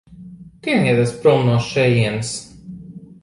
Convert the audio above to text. Tinieties prom no šejienes.